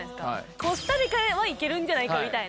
コスタリカはいけるんじゃないかみたいな。